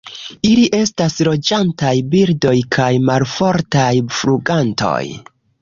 Ili estas loĝantaj birdoj kaj malfortaj flugantoj.